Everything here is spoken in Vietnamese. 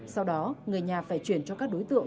sau đó người nhà phải chuyển cho các đối tượng